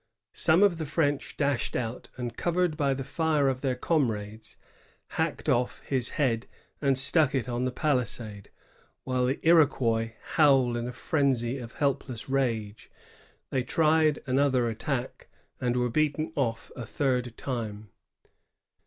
Some of the French dashed out, and, covered by the fire of their comrades, hacked off his head, and stuck it on the palisade, while the Iroquois howled in a frenzy of helpless rage. They tried another attack, and were beaten off a third time.